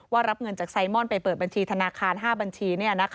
รับเงินจากไซมอนไปเปิดบัญชีธนาคาร๕บัญชี